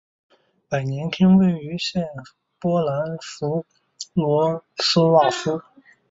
百年厅位于现波兰弗罗茨瓦夫。